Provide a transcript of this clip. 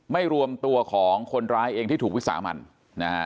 ไม่รวมตัวของคนร้ายเองที่ถูกวิสามันนะฮะ